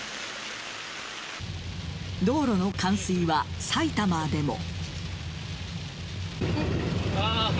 道路の冠水は埼玉でも。